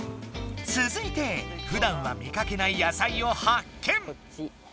つづいてふだんは見かけない野菜をハッケン！